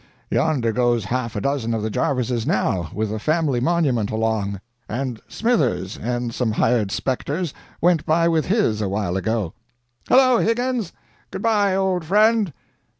Yonder goes half a dozen of the Jarvises now, with the family monument along. And Smithers and some hired specters went by with his awhile ago. Hello, Higgins, good by, old friend!